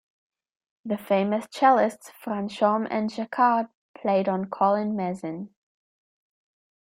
The famous cellists Franchomme and Jacquard played on Collin-Mezins.